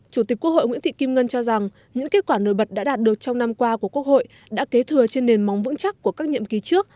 chủ tịch quốc hội nguyễn thị kim ngân cho rằng những kết quả nổi bật đã đạt được trong năm qua của quốc hội đã kế thừa trên nền móng vững chắc của các nhiệm kỳ trước